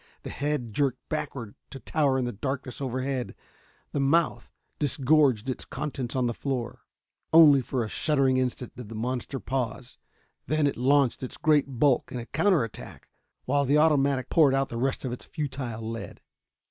The head jerked backward, to tower in the darkness overhead. The mouth disgorged its contents to the floor. Only for a shuddering instant did the monster pause. Then it launched its great bulk in a counter attack, while the automatic poured out the rest of its futile lead.